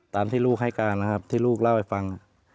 ตามที่ลูกให้การนะครับที่ลูกเล่าให้ฟัง